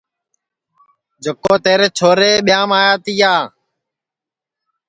جکو تیرے چھورے ٻیاںٚم آیا تیا